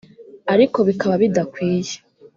ariko bikaba bidakwiye